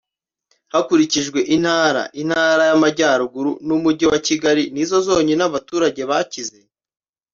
Hakurikijwe intara intara y Amajyaruguru n Umujyi wa Kigali nizo zonyine abaturage bakize